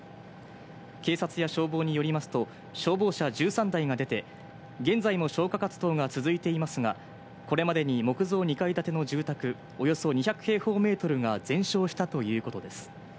警察や消防によりますと消防車１３台が出て、現在も消火活動が続いていますが、これまでに木造２階建ての住宅およそ２００平方メートルが全焼したということです。